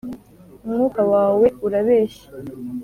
umwuka wawe urabeshya.